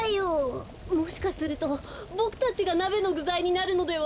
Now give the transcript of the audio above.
もしかするとボクたちがなべのぐざいになるのでは。